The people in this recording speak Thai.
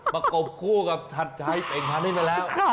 ประกบคู่กับชัดใจเป็นทางนี้ไปแล้ว